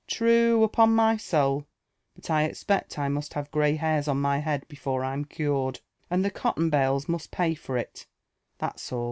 " True, upon my soul ! but I expect I must have grey hairs on my )^ead before I'm cured ; and the cotton bales must pay for it, that s all."